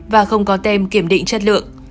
và không có tem kiểm định chất lượng